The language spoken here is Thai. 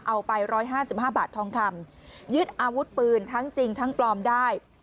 เอาไป๑๕๕บาททองคำยึดอาวุธปืนทั้งจริงทั้งปลอมได้